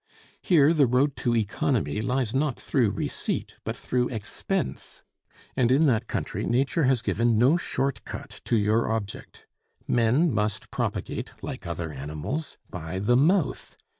Here the road to economy lies not through receipt, but through expense; and in that country nature has given no short cut to your object. Men must propagate, like other animals, by the mouth.